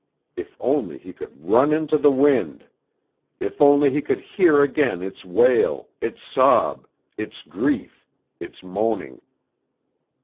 If only he could run into the wind! If only he could hear again its wail, its sob, its grief, its moaning.